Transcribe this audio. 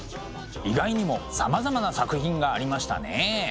意外にもさまざまな作品がありましたね。